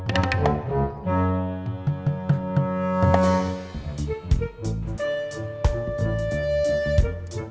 jangan ke essesu ini